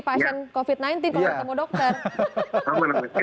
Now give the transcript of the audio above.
sampai ketemu lagi